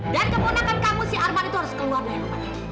dan keponakan kamu si arman itu harus keluar dari rumahnya